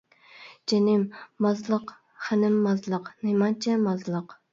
جېنىم مازلىق، خېنىم مازلىق، نېمانچە مازلىق.